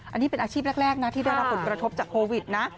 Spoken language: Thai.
อันนี้เป็นอาชีพแรกนะที่ได้รับผลกระทบจากโควิดนะ